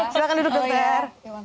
silahkan duduk dokter